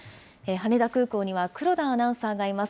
羽田空港には黒田アナウンサーがいます。